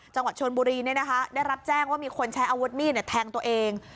จังหวัดชนบุรีได้รับแจ้งว่ามีคนใช้อาวุธมีดแทงตัวเอง